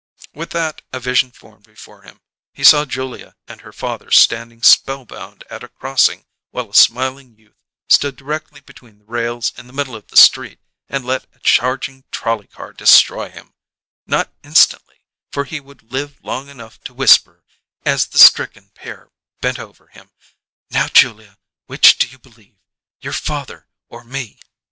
With that, a vision formed before him: he saw Julia and her father standing spellbound at a crossing while a smiling youth stood directly between the rails in the middle of the street and let a charging trolley car destroy him not instantly, for he would live long enough to whisper, as the stricken pair bent over him: "Now, Julia, which do you believe: your father, or me?"